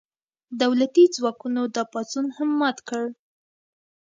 دولتي ځواکونو دا پاڅون هم مات کړ.